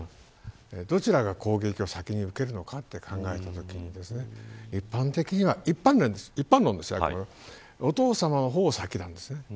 どちらが攻撃を先に受けるのかと考えたときに一般的には一般論ですがお父様の方が先なんです。